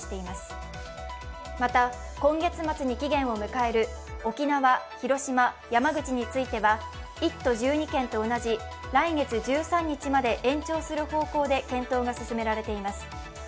また、今月末に期限を迎える、沖縄、広島、山口については、１都１２県と同じ来月１３日まで延長する方向で検討が進められています。